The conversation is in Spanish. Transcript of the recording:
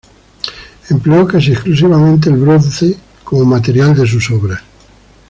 Empleó casi exclusivamente el bronce como material de sus obras.